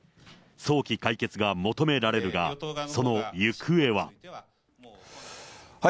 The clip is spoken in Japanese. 早期解決が求められるが、その行方は。